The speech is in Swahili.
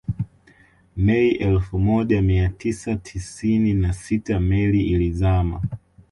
Mei elfu moja mia tisa tisini na sita meli ya ilizama